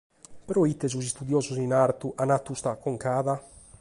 Pro ite sos istudiosos in artu ant fatu custa aconcada?